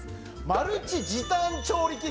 マルチ時短調理器具